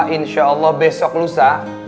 insya allah besok lusa